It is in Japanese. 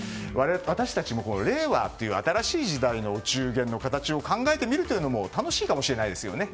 私たちも令和という新しい時代のお中元の形を考えてみるというのも楽しいかもしれないですね。